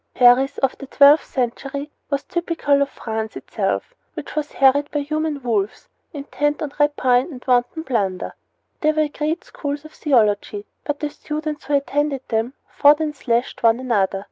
Paris of the twelfth century was typical of France itself, which was harried by human wolves intent on rapine and wanton plunder. There were great schools of theology, but the students who attended them fought and slashed one another.